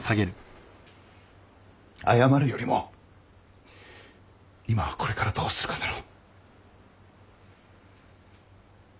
謝るよりも今はこれからどうするかだろ。